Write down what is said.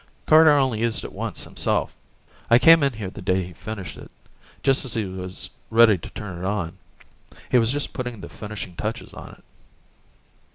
Carter only used it once himself. I came in here the day he finished it, just as he was ready to turn it on. He was just putting the finishing touches on it.